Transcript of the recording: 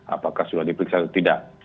apakah sudah diperiksa atau tidak